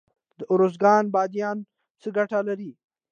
د ارزګان بادیان څه ګټه لري؟